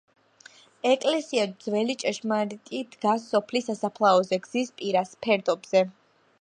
ეკლესია ძველი ჭეშმარიტი დგას სოფლის სასაფლაოზე, გზის პირას, ფერდობზე.